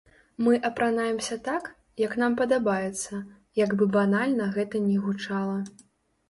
Мы апранаемся так, як нам падабаецца, як бы банальна гэта ні гучала.